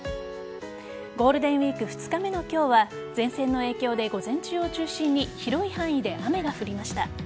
ゴールデンウイーク２日目の今日は前線の影響で午前中を中心に広い範囲で雨が降りました。